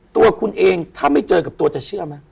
ตัวคุณเองถ้าไม่เจอกับตัวจะเชื่อไหม